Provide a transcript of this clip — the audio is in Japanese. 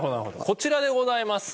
こちらでございます。